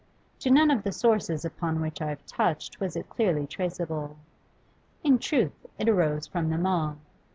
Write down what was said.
To none of the sources upon which I have touched was it clearly traceable; in truth, it arose from them all.